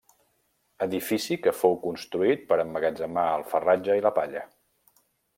Edifici que fou construït per emmagatzemar el farratge i la palla.